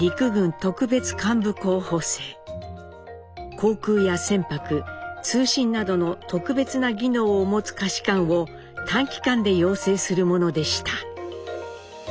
航空や船舶通信などの特別な技能を持つ下士官を短期間で養成するものでした。